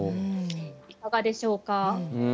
いかがでしょうか？